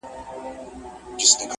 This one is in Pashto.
پاچاهان یې هم خوري غوښي د خپلوانو!!